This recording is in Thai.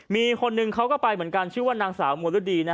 มีคนหนึ่งเขาก็ไปเหมือนกันชื่อว่านางสาวมวรุดี